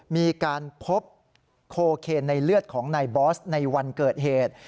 มีการพบโคเคนในเลือดของนายบอสในวันเกิดเหตุ